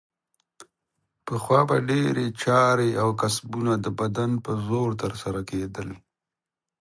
پخوا به ډېرې چارې او کسبونه د بدن په زور ترسره کیدل.